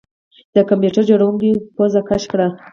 د کمپیوټر جوړونکي پوزه کش کړه